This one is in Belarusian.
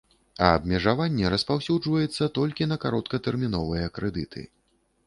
А абмежаванне распаўсюджваецца толькі на кароткатэрміновыя крэдыты.